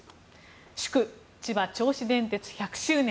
祝千葉・銚子電鉄１００周年。